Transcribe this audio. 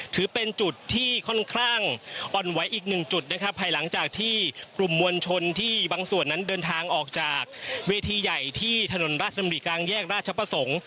ถือเป็นจุดที่ค่อนข้างอ่อนไหวอีกหนึ่งจุดนะครับภายหลังจากที่กลุ่มมวลชนที่บางส่วนนั้นเดินทางออกจากเวทีใหญ่ที่ถนนราชดำริกลางแยกราชประสงค์